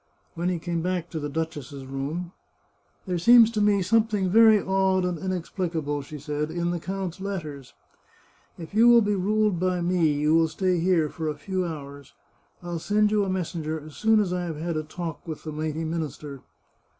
When he came back to the duchess's room —" There seems to me something very odd and inexplica 437 The Chartreuse of Parma ble," she said, " in the count's letters. If you will be ruled by me you will stay here for a few hours. I'll send you a messenger as soon as I have had a talk with the mighty minister."